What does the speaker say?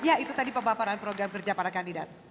ya itu tadi pemaparan program kerja para kandidat